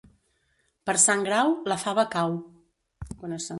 Per Sant Grau, la fava cau.